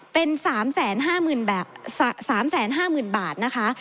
เป็น๓๕๐๐๐บาทนะคะ